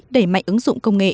để mạnh ứng dụng công nghệ